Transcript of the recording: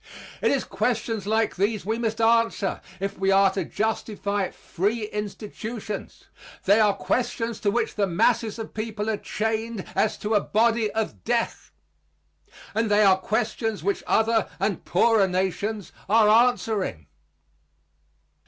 It is questions like these we must answer if we are to justify free institutions. They are questions to which the masses of people are chained as to a body of death. And they are questions which other and poorer nations are answering.